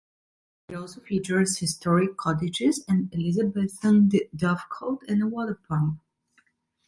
It also features historic cottages, an Elizabethan dovecote and a water pump.